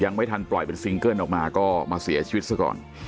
ยังไม่ทันปล่อยเป็นออกมาก็มาเสียชีวิตซะก่อน